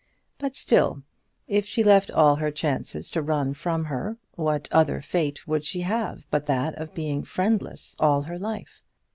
But still, if she left all her chances to run from her, what other fate would she have but that of being friendless all her life?